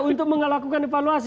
untuk melakukan evaluasi